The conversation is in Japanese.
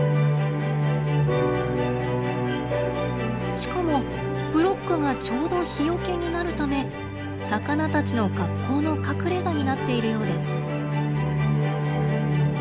しかもブロックがちょうど日よけになるため魚たちの格好の隠れがになっているようです。